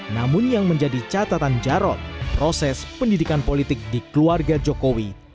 namun yang menjadi catatan jarod proses pendidikan politik di keluarga jokowi